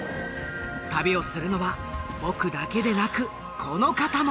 旅をするのは僕だけでなくこの方も！